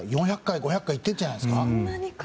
４００回、５００回いってるんじゃないですか。